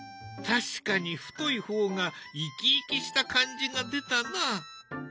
確かに太い方が生き生きした感じが出たな。